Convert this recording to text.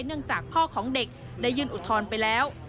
เนื่องจากพ่อของเด็กได้ยื่นอุทธรณ์ไปแล้ว